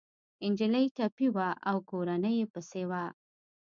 انجلۍ ټپي وه او کورنۍ يې پسې وه